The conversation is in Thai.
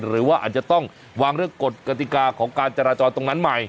หรือว่าอาจจะต้องวางเรื่องกฎกติกาของการจราจรตรงนั้นใหม่